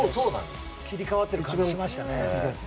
切り替わってる感じしましたね。